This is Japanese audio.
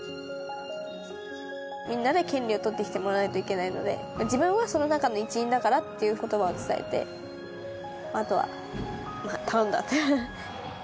みんなで権利を取ってきてもらわないといけないので、自分はその中の一員だからっていうことばを伝えて、あとは頼んだって。